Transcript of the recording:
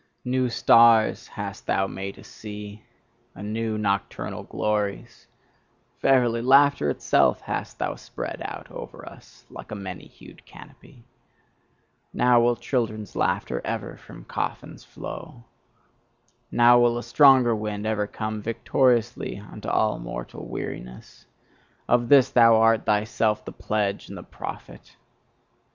New stars hast thou made us see, and new nocturnal glories: verily, laughter itself hast thou spread out over us like a many hued canopy. Now will children's laughter ever from coffins flow; now will a strong wind ever come victoriously unto all mortal weariness: of this thou art thyself the pledge and the prophet!